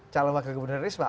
calon wakil gubernur risma